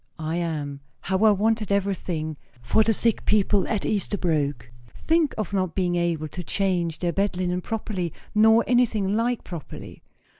"I am. How I wanted everything for the sick people at Esterbrooke. Think of not being able to change their bed linen properly, nor anything like properly!"